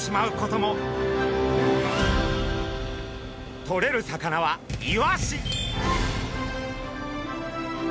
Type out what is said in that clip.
とれる魚はイワシ！